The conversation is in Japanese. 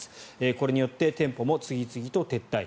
これによって店舗も次々と撤退。